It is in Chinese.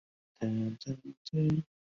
兰屿芋为天南星科落檐属下的一个种。